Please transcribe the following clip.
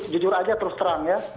jujur aja terus terang ya